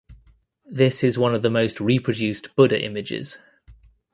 This is one of the most reproduced Buddha images.